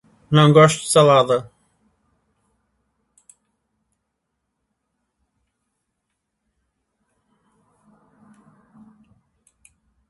Não gosto de salada